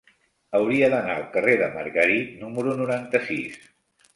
Hauria d'anar al carrer de Margarit número noranta-sis.